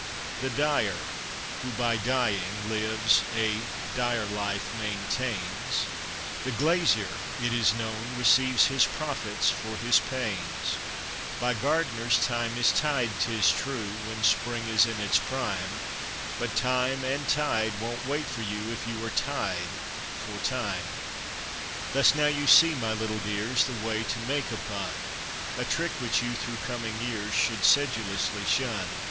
The dyer, who by dying lives, a dire life maintains; The glazier, it is known, receives his profits for his panes. By gardeners thyme is tied, 'tis true, when spring is in its prime; But time and tide won't wait for you if you are tied for time. Thus now you see, my little dears, the way to make a pun; A trick which you, through coming years, should sedulously shun.